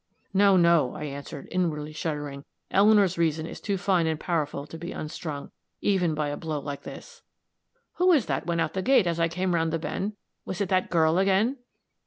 "No, no," I answered, inwardly shuddering; "Eleanor's reason is too fine and powerful to be unstrung, even by a blow like this." "Who was that went out the gate as I came around the bend? Was it that girl, again?"